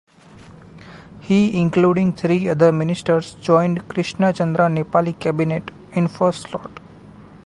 He including three other ministers joined Krishna Chandra Nepali cabinet in first lot.